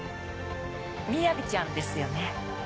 みやびちゃんですよね？